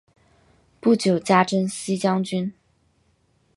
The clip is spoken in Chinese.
不久加征西将军。